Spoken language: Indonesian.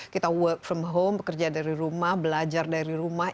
kita work from home bekerja dari rumah belajar dari rumah